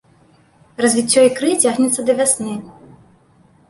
Развіццё ікры цягнецца да вясны.